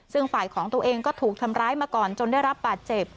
ซึ่งฝ่ายของตัวเองก็ถูกทำร้ายมาก่อนจนได้รับบาดเจ็บ